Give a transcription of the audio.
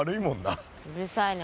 うるさいな。